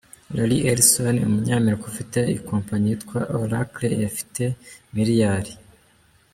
Larry Ellison: Umunyamerika ufite ikompanyi yitwa Oracle, afite miliyari .